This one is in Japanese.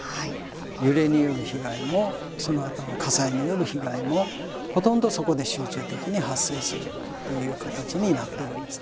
揺れによる被害もそのあとの火災による被害もほとんどそこで集中的に発生するという形になってるんですね。